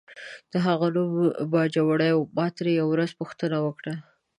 د هغه نوم باجوړی و، ما ترې یوه ورځ پوښتنه وکړه.